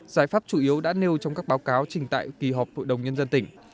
giải pháp chủ yếu đã nêu trong các báo cáo trình tại kỳ họp hội đồng nhân dân tỉnh